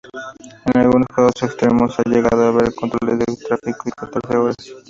En algunos casos extremos, ha llegado a haber controles de tráfico de catorce horas.